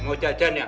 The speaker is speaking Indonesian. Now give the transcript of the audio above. mau jajan ya